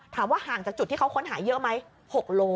ถามว่าห่างจากจุดที่เขาค้นหายเยอะไหม๖โมง